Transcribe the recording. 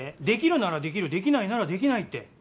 できるならできるできないならできないって。